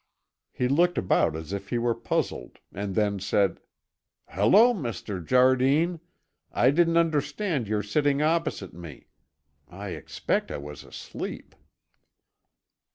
He looked about as if he were puzzled, and then said, "Hello, Mr. Jardine! I didn't understand your sitting opposite me. I expect I was asleep."